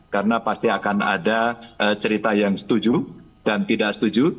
karena pasti akan ada cerita yang setuju dan tidak setuju